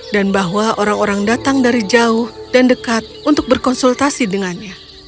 dan bahwa orang orang datang dari jauh dan dekat untuk berkonsultasi dengannya